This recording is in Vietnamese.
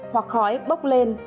hoặc khói bốc lên